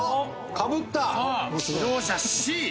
かぶった！両者Ｃ！